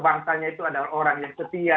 bangsanya itu adalah orang yang setia